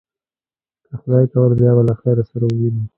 که خدای کول، بیا به له خیره سره ووینو.